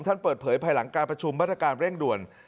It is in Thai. ท่านเปิดเผยภายหลังการประชุมมาตรการเร่งด่วน